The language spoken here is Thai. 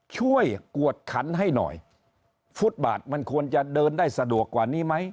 กวดขันให้หน่อยฟุตบาทมันควรจะเดินได้สะดวกกว่านี้ไหม